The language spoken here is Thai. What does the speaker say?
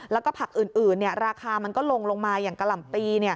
แล้วก็ผักอื่นราคามันก็ลงลงมาอย่างกะหล่ำปี